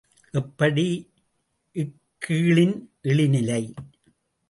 எப்படி இக்கீழின் இழிநிலை?